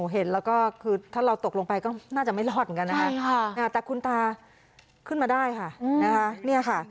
เห็นแล้วก็คือถ้าเราตกลงไปก็น่าจะไม่รอดเหมือนกันนะคะแต่คุณตาขึ้นมาได้ค่ะนะคะ